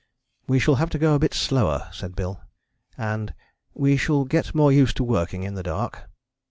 "We shall have to go a bit slower," said Bill, and "we shall get more used to working in the dark."